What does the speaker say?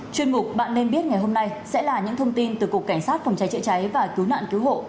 chuyên mục bạn nên biết ngày hôm nay sẽ là những thông tin từ cục cảnh sát phòng cháy chữa cháy và cứu nạn cứu hộ